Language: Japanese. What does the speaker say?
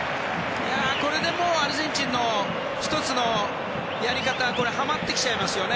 これでもうアルゼンチンの１つのやり方がはまってきちゃいますよね。